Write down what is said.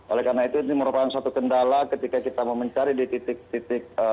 oleh karena itu ini merupakan suatu kendala ketika kita mau mencari di titik titik